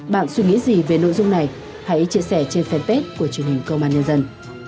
bạn suy nghĩ gì về nội dung này hãy chia sẻ trên fanpage của truyền hình công an nhân dân